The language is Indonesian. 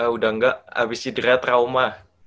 udah enggak abis sidria trauma